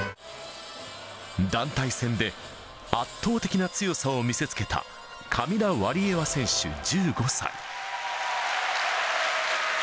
団体戦で圧倒的な強さを見せつけたカミラ・ワリエワ選手１５歳。